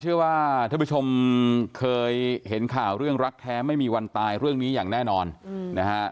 เชื่อว่าท่านผู้ชมเคยเห็นข่าวเรื่องรักแท้ไม่มีวันตายเรื่องนี้อย่างแน่นอนนะฮะ